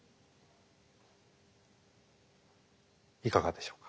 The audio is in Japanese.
いかがでしょうか？